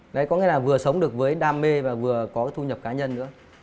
đấy có nghĩa là vừa sống được với đam mê và vừa có cái thu nhập cá nhân nữa